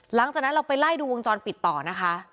หลังจากนั้นเราไปไล่ดูวงจรปิดต่อนะคะ